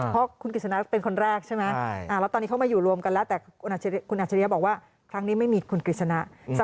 เพราะคุณกริจนั้นเป็นคนแรกใช่ไหม